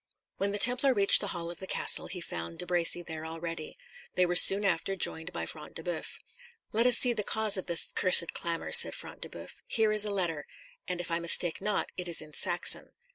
When the Templar reached the hall of the castle, he found De Bracy there already. They were soon after joined by Front de Boeuf. "Let us see the cause of this cursed clamour," said Front de Boeuf. "Here is a letter, and if I mistake not, it is in Saxon."